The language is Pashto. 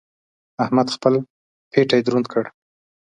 احمد خپل پېټی دروند کړ.